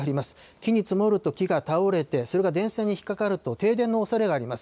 木に積もると木が倒れて、それが電線に引っ掛かると、停電のおそれがあります。